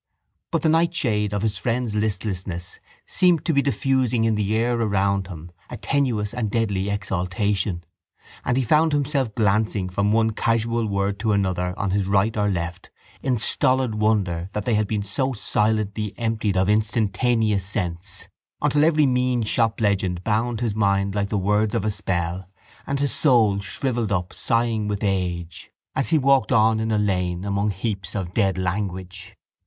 But the nightshade of his friend's listlessness seemed to be diffusing in the air around him a tenuous and deadly exhalation and he found himself glancing from one casual word to another on his right or left in stolid wonder that they had been so silently emptied of instantaneous sense until every mean shop legend bound his mind like the words of a spell and his soul shrivelled up sighing with age as he walked on in a lane among heaps of dead language.